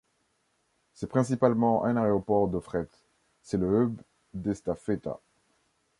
C'est principalement un aéroport de fret, c'est le hub d'Estafeta.